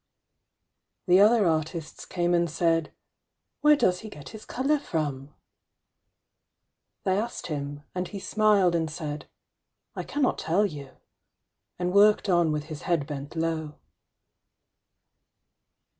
ŌĆØ The other artists came and said, ŌĆ£Where does he get his colour from? ŌĆØ They asked him; and he smiled and said, ŌĆ£I cannot tell youŌĆØ; and worked on with his head bent low.